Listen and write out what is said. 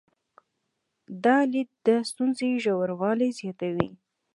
دا لید د ستونزې ژوروالي زیاتوي.